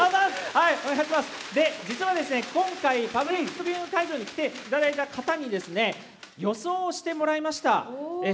実は今回パブリックビューイング会場に来ていただいた方に予想をしてもらいました。